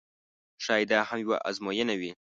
ښایي دا هم یوه آزموینه وي.